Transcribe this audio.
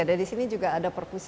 ada di sini juga ada perpustakaan